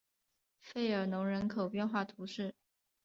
弗尔农人口变化图示